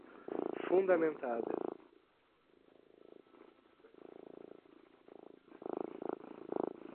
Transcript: fundamentada